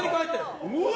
うわ！